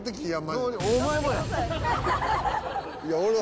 いや俺は。